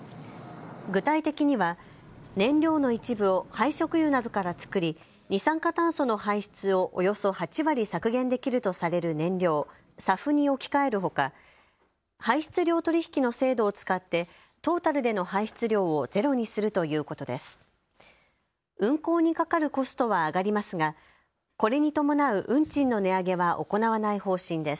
具体的には燃料の一部を廃食油などから作り二酸化炭素の排出をおよそ８割削減できるとされる燃料、ＳＡＦに置き換えるほか、排出量取引の制度を使ってトータルでの排出量をゼロにするということです。